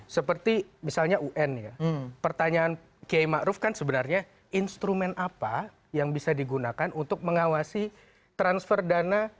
seperti misalnya un ya pertanyaan kiai ⁇ maruf ⁇ kan sebenarnya instrumen apa yang bisa digunakan untuk mengawasi transfer dana